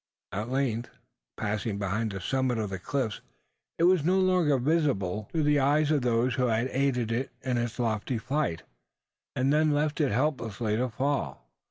At length, passing behind the summit of the cliffs, it was no longer visible to the eyes of those who had aided it in its lofty flight, and then left it helplessly to fall.